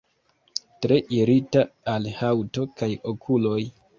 Tre irita al haŭto kaj okuloj.